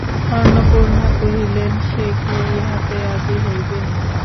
অন্নপূর্ণা কহিলেন, সে কি ইহাতে রাজী হইবে।